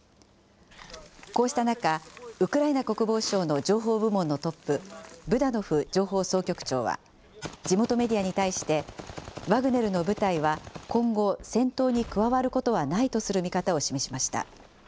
こうした中、ウクライナ国防省の情報部門のトップ、ブダノフ情報総局長は、地元メディアに対して、ワグネルの部隊は今後、戦闘に加わることはないとする見方を示しました。